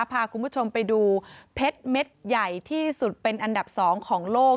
พาคุณผู้ชมไปดูเพชรเม็ดใหญ่ที่สุดเป็นอันดับ๒ของโลก